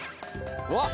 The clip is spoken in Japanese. うわっ！